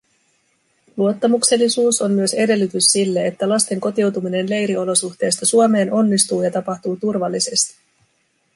Luottamuksellisuus on myös edellytys sille, että lasten kotiutuminen leiriolosuhteista Suomeen onnistuu ja tapahtuu turvallisesti.